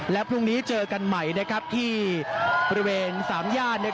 และพรุ่งนี้เจอกันใหม่ที่บริเวณ๓ย่าน